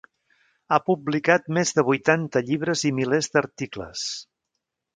Ha publicat més de vuitanta llibres i milers d'articles.